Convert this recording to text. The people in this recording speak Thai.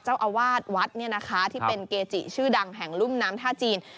เจ้าอาวาสวัดเนี่ยนะคะที่เป็นเกจิชื่อดังแห่งลุ่มน้ำท่าจีน